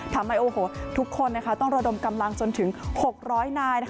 ทำให้ทุกคนต้องระดมกำลังจนถึง๖๐๐นาย